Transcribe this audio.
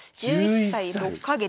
１１歳６か月。